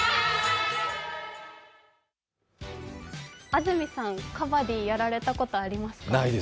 安住さん、カバディやられたことありますか？